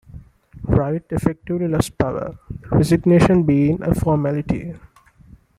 Wright effectively lost power, the resignation being a formality.